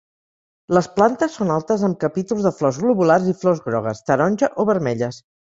Les plantes són altes amb capítols de flors globulars i flors grogues, taronja o vermelles.